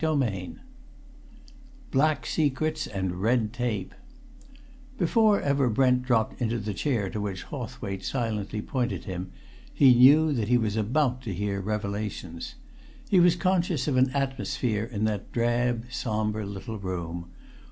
CHAPTER XIX BLACK SECRETS AND RED TAPE Before ever Brent dropped into the chair to which Hawthwaite silently pointed him, he knew that he was about to hear revelations. He was conscious of an atmosphere in that drab, sombre little room.